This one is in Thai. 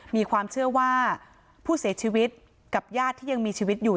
มีความเชื่อว่าผู้เสียชีวิตกับญาติที่ยังมีชีวิตอยู่